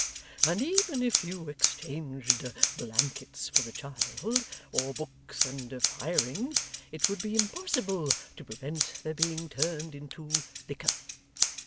And even if you exchanged blankets for the child or books and firing it would be impossible to prevent their being turned into liquor.